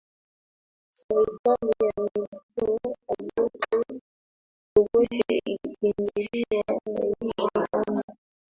serikali ya milton obote ilipinduliwa na iddi amin